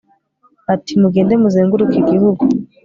ati mugende muzenguruke igihugu